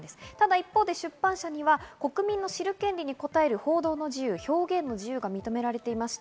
一方、出版社には国民の知る権利に応える報道の自由、表現の自由が認められています。